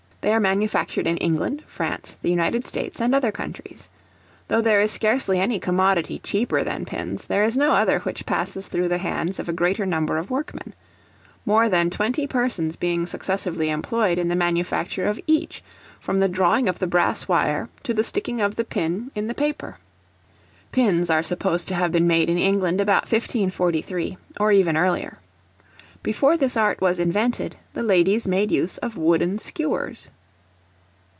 They are manufactured in England, France, the United States, and other countries. Though there is scarcely any commodity cheaper than pins, there is no other which passes through the hands of a greater number of workmen; more than twenty persons being successively employed in the manufacture of each, from the drawing of the brass wire to the sticking of the pin in the paper. Pins are supposed to have been made in England about 1543, or even earlier. Before this art was invented, the ladies made use of wooden skewers.